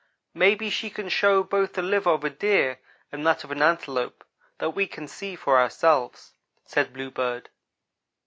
Maybe she can show both the liver of a Deer and that of an Antelope; then we can see for ourselves," said Blue bird.